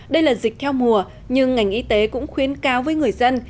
đây là dịch theo mùa nhưng ngành y tế cũng khuyến cáo với người dân